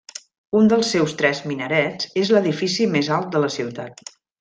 Un dels seus tres minarets és l'edifici més alt de la ciutat.